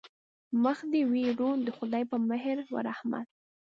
مخ دې وي روڼ د خدای په مهر و رحمت.